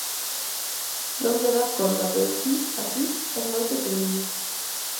Non te dás conta pero ti, aquí, es moi pequeniño